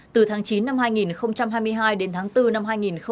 từ tháng chín năm hai nghìn hai mươi hai đến tháng bốn năm hai nghìn hai mươi ba